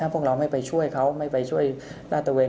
พวกเราไม่ไปช่วยเขาไม่ไปช่วยลาดตะเวน